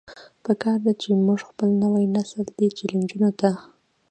پکار ده چې مونږ خپل نوے نسل دې چيلنجونو ته